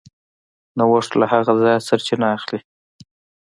نوښت له هغه ځایه سرچینه اخلي.